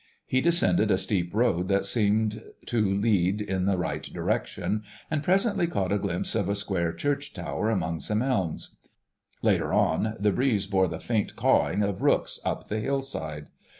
He descended a steep road that seemed to lead in the right direction, and presently caught a glimpse of a square church tower among some elms; later on the breeze bore the faint cawing of rooks up the hillside.